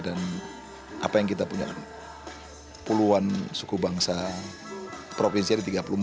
dan apa yang kita punya puluhan suku bangsa provinsi dan negara